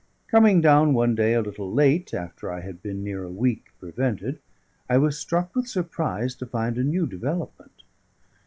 Coming down one day a little late, after I had been near a week prevented, I was struck with surprise to find a new development.